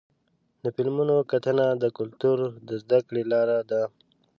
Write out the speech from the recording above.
د فلمونو کتنه د کلتور د زدهکړې لاره ده.